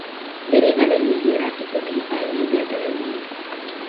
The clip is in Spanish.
Deriva del hierático utilizado en el delta del Nilo.